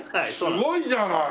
すごいじゃない！